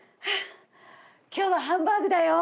今日はハンバーグだよ。